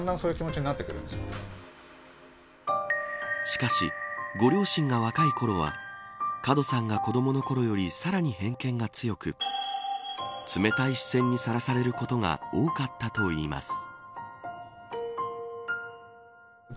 しかし、ご両親が若いころは門さんが子どものころよりさらに偏見が強く冷たい視線にさらされることが多かったといいます。